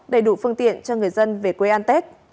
đầy đủ phương tiện cho người dân về quê an tết